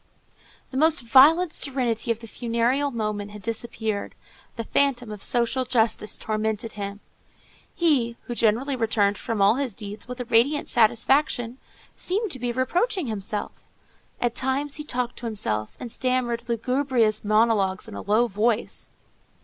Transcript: The almost violent serenity of the funereal moment had disappeared; the phantom of social justice tormented him. He, who generally returned from all his deeds with a radiant satisfaction, seemed to be reproaching himself. At times he talked to himself, and stammered lugubrious monologues in a low voice.